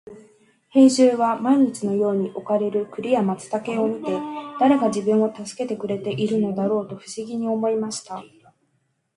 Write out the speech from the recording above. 兵十は毎日のように置かれる栗や松茸を見て、誰が自分を助けてくれているのだろうと不思議に思いました。